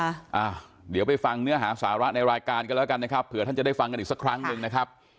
อ่าเดี๋ยวไปฟังเนื้อหาสาระในรายการกันแล้วกันนะครับเผื่อท่านจะได้ฟังกันอีกสักครั้งหนึ่งนะครับ